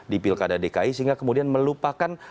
di pilkada dki sehingga kemudian melupakan